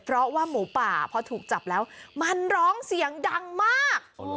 เพราะว่าหมูป่าพอถูกจับแล้วมันร้องเสียงดังมาก